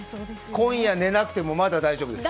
今夜、寝なくてもまだ大丈夫です。